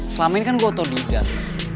selama ini kan gue otot didang